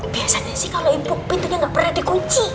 biasanya sih kalau ibu pintunya gak pernah dikunci